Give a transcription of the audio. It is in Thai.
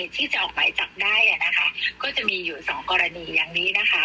ที่จะออกหมายจับได้อ่ะนะคะก็จะมีอยู่สองกรณีอย่างนี้นะคะ